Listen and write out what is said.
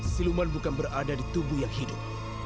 siluman bukan berada di tubuh yang hidup